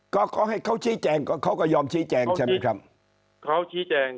ก็ให้เขาชี้แจงเขาก็ยอมชี้แจงใช่ไหมครับ